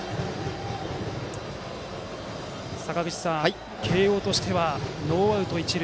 坂口さん、慶応としてはノーアウト、一塁。